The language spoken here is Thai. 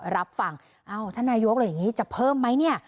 รับฟังเอ้าท่านนายกอะไรอย่างนี้จะเพิ่มไหมเนี่ย